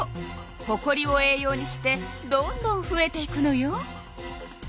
ほこりを栄養にしてどんどんふえていくのよ。